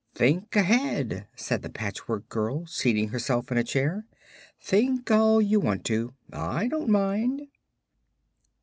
"Think ahead," said the Patchwork Girl, seating herself in a chair. "Think all you want to. I don't mind."